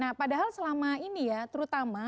nah padahal selama ini ya terutama pasca dua ribu dua puluh